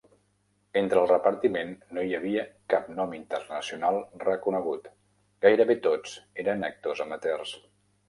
Entre el repartiment no hi havia cap nom internacional reconegut; gairebé tots eren actors amateurs.